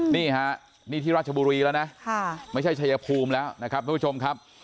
นี่ฮะนี่ที่ราชบุรีแล้วนะไม่ใช่ชายภูมิแล้วนะครับทุกผู้ชมครับ